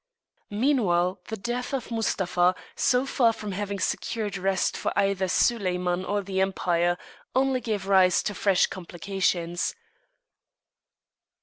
Meanwhile the death of Mustapha, so far from having secured rest for either Soliman or the Empire, only gave rise to fresh complications.